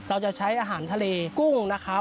เราจะใช้อาหารทะเลกุ้งนะครับ